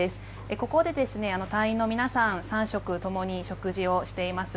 ここで、隊員の皆さん３食共に食事をしています。